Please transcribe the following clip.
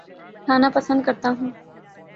کھانا پسند کرتا ہوں